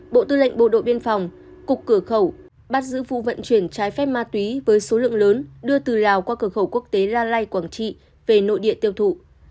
bộ tư lệnh bộ đội biên phòng cục cửa khẩu bắt giữ vụ vận chuyển trái phép ma túy với số lượng lớn đưa từ lào qua cửa khẩu quốc tế la lai quảng trị về nội địa tiêu thụ